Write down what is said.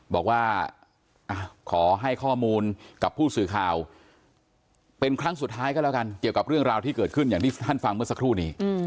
บอกว่าขอให้ข้อมูลกับผู้สื่อข่าวเป็นครั้งสุดท้ายก็แล้วกันเกี่ยวกับเรื่องราวที่เกิดขึ้นอย่างที่ท่านฟังเมื่อสักครู่นี้